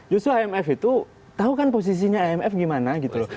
justru imf itu tahu kan posisinya imf gimana gitu loh